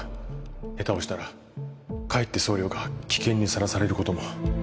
下手をしたらかえって総領が危険にさらされることも